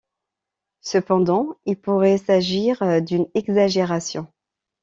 Cependant il pourrait s'agir d'une exagération.